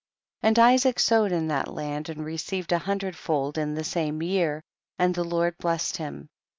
14. And Isaac sowed in tiiat land, and received a hundred fold in the same year, and the Lord blessed him.